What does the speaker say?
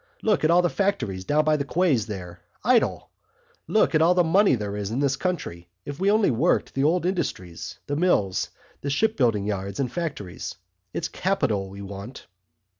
Look at all the factories down by the quays there, idle! Look at all the money there is in the country if we only worked the old industries, the mills, the ship building yards and factories. It's capital we want."